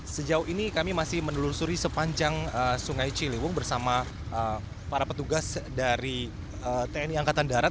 sejauh ini kami masih menelusuri sepanjang sungai ciliwung bersama para petugas dari tni angkatan darat